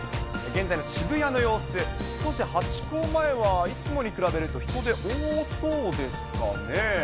現在の渋谷の様子、少しハチ公前は、いつもに比べると人出多そうですかね。